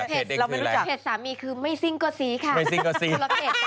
เพจหมายถึงเพจสามีคือไม่ซิ่งกว่าซีค่ะ